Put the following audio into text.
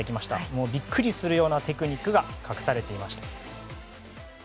もうビックリするようなテクニックが隠されていました。